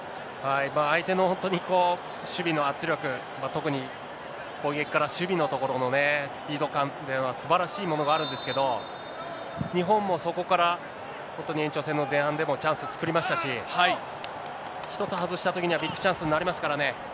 相手の本当に守備の圧力、特に攻撃から守備のところのね、スピード感というのは、すばらしいものがあるんですけど、日本もそこから本当に延長戦の前半でもチャンス作りましたし、１つ外したときには、ビッグチャンスになりますからね。